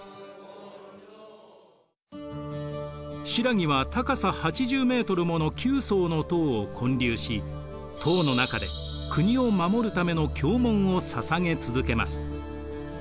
新羅は高さ８０ｍもの９層の塔を建立し塔の中で国を護るための経文をささげ続けます。